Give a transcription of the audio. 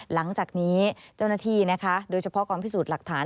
หลังจากนี้เจ้าหน้าที่นะคะโดยเฉพาะกองพิสูจน์หลักฐาน